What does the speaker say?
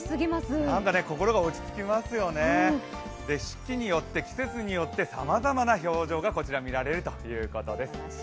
心が落ち着きますよね、四季によって季節によってさまざまな表情がこちら見られるということです。